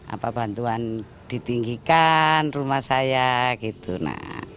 apa bantuan ditinggikan rumah saya gitu